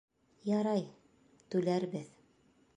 Ярай, түләрбеҙ.